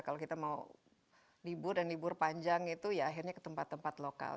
kalau kita mau libur dan libur panjang itu ya akhirnya ke tempat tempat lokal